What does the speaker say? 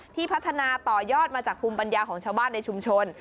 พัฒนาต่อยอดมาจากภูมิปัญญาของชาวบ้านในชุมชน